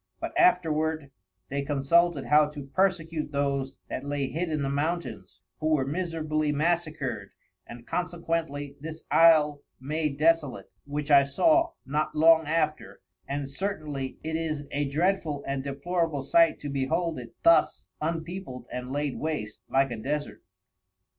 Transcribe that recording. But afterward they consulted how to persecute those that lay hid in the Mountains, who were miserably massacred, and consequently this Isle made desolate, which I saw not long after, and certainly it is a dreadful and depolorable sight to behold it thus unpeopled and laid waste, like a Desert.